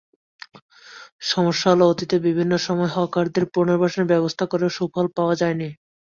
সমস্যা হলো অতীতে বিভিন্ন সময় হকারদের পুনর্বাসনের ব্যবস্থা করেও সুফল পাওয়া যায়নি।